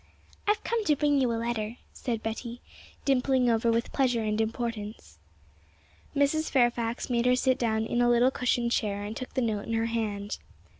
'I've come to bring you a letter,' said Betty, dimpling over with pleasure and importance. Mrs. Fairfax made her sit down in a little cushioned chair, and took the note in her hand.